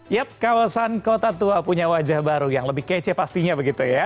yap kawasan kota tua punya wajah baru yang lebih kece pastinya begitu ya